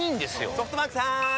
ソフトバンクさーん！